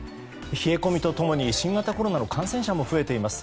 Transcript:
冷え込みと共に新型コロナの感染者も増えています。